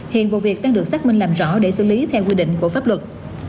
hiện vụ việc đang được xác minh làm rõ để xử lý theo quy định của pháp luật